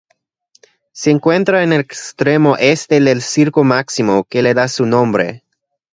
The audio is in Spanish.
Se encuentra en el extremo este del Circo Máximo, que le da su nombre.